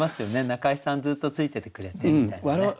仲居さんずっとついててくれてみたいなね。